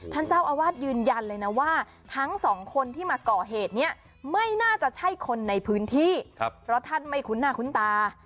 ท่านเจ้าอาวาสยืนยันเลยนะว่าทั้งสองคนที่มาก่อเหตุเนี่ยไม่น่าจะใช่คนในพื้นที่เพราะท่านไม่คุ้นหน้าคุ้นตา